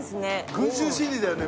群集心理だよね。